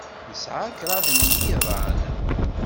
Nesɛa kraḍ n yiḍan.